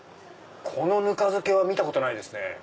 このぬか漬けは見たことないですね。